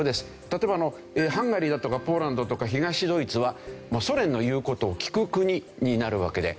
例えばハンガリーだとかポーランドとか東ドイツはソ連の言う事を聞く国になるわけで。